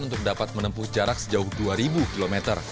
untuk dapat menempuh jarak sejauh dua ribu km